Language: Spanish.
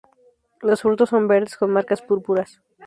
Los frutos son verdes con marcas púrpuras.